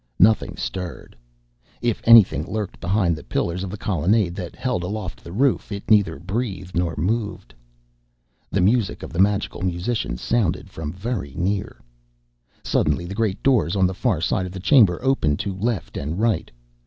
Nothing stirred. If anything lurked behind the pillars of the colonnade that held aloft the roof, it neither breathed nor moved. The music of the magical musicians sounded from very near. Suddenly the great doors on the far side of the chamber opened to left and right.